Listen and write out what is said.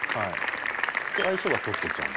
「愛称は“トットちゃん”」